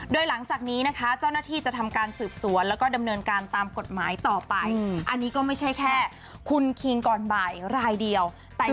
โดยหลังจากนี้นะคะเจ้าหน้าที่จะทำการสืบสวนแล้วก็ดำเนินการตามกฎหมายต่อไปอันนี้ก็ไม่ใช่แค่คุณคิงก่อนบ่ายรายเดียว